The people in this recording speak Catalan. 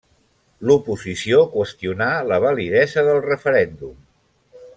L'oposició qüestionà la validesa del referèndum.